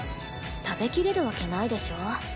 食べきれるわけないでしょ。